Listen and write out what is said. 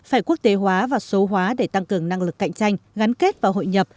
phải quốc tế hóa và số hóa để tăng cường năng lực cạnh tranh gắn kết và hội nhập